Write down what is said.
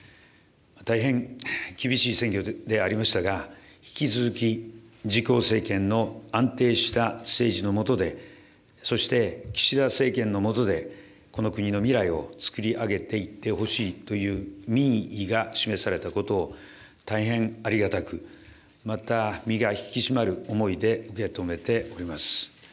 大変、厳しい選挙でありましたが、引き続き自公政権の安定した政治の下で、そして、岸田政権の下で、この国の未来をつくり上げていってほしいという民意が示されたことを、大変ありがたく、また、身が引き締まる思いで受け止めております。